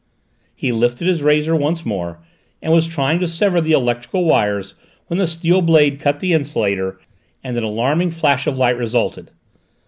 He lifted his razor once more and was trying to sever the electric wires when the steel blade cut the insulator and an alarming flash of light resulted.